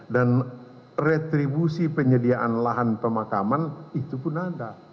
dan retribusi penyediaan lahan pemakaman itu pun ada